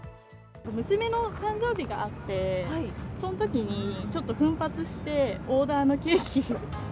娘の誕生日があって、そのときにちょっと奮発して、オーダーのケーキを。